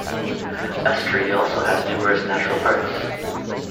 Estrie also has numerous natural parks.